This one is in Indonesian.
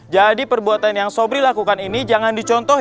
jadi perbuatan yang sobri lakukan ini jangan dicontoh ya